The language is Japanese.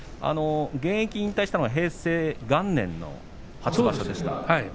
現役引退したのは平成元年の初場所でした。